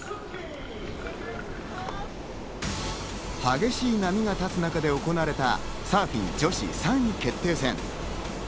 激しい波が立つ中で行われたサーフィン女子３位決定戦。